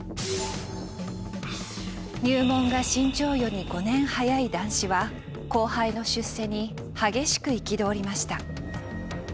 入門が志ん朝より５年早い談志は後輩の出世に激しく憤りました。